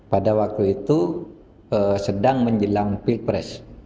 pada waktu itu sedang menjelang pilpres